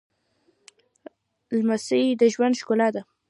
لمسی د ژوند ښکلا ده